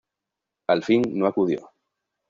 Al fin, no acudió.